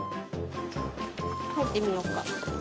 入ってみようか。